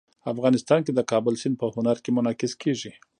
افغانستان کې د کابل سیند په هنر کې منعکس کېږي.